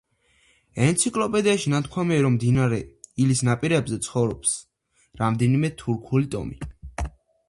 ენციკლოპედიაში ნათქვამია, რომ მდინარე ილის ნაპირებზე ცხოვრობს რამდენიმე თურქული ტომი.